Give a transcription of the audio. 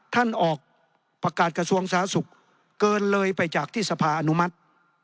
ท่านออกประกาศกระทรวงสาธารณสุขเกินเลยไปจากที่สภาอนุมัติ